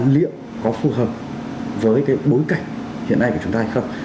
liệu có phù hợp với cái bối cảnh hiện nay của chúng ta hay không